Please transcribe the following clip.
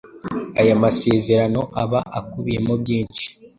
Aya masezerano aba akubiyemo byinshi